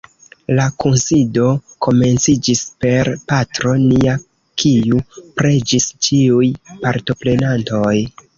La kunsido komenciĝis per Patro Nia kiu preĝis ĉiuj partoprenantoj.